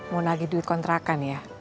mau nagih duit kontrakan ya